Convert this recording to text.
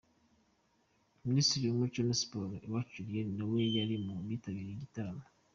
Minisitiri w'umuco na siporo, Uwacu Julienne na we yari mu bitabiriye iki gitaramo.